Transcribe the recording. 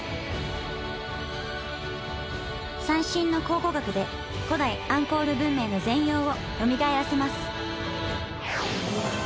最新の考古学で古代アンコール文明の全容をよみがえらせます